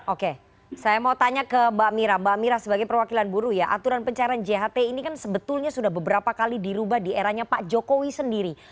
oke saya mau tanya ke mbak mira mbak mira sebagai perwakilan buruh ya aturan pencairan jht ini kan sebetulnya sudah beberapa kali dirubah di eranya pak jokowi sendiri